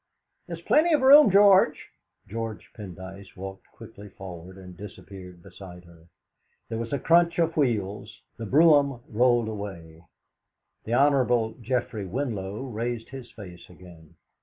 "There's plenty of room, George." George Pendyce walked quickly forward, and disappeared beside her. There was a crunch of wheels; the brougham rolled away. The Hon. Geoffrey Winlow raised his face again.